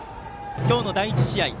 今日の第１試合